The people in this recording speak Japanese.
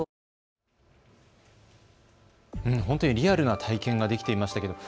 本当にリアルな体験ができていましたね。